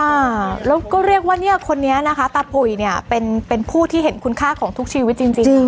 อ่าแล้วก็เรียกว่าเนี่ยคนนี้นะคะตาปุ๋ยเนี่ยเป็นเป็นผู้ที่เห็นคุณค่าของทุกชีวิตจริงจริง